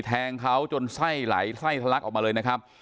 แทงเขาจนไส้ไหลไส้ทะลักออกมาเลยนะครับ